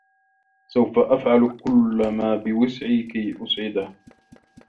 سوف أفعل كلّ ما بوسعي كي أسعده.